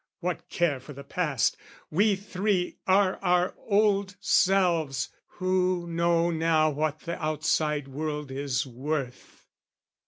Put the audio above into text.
"What care for the past? we three are our old selves, "Who know now what the outside world is worth."